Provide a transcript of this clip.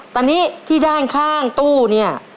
ตอนนี้ที่ด้านข้างตู้เนี่ย